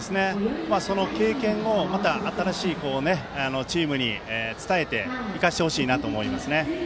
その経験をまた新しいチームに伝えて生かしてほしいと思います。